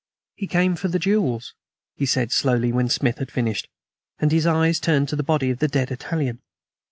"He came for the jewels," he said slowly, when Smith was finished; and his eyes turned to the body of the dead Italian.